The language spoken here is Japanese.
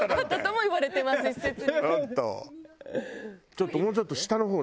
ちょっともうちょっと下の方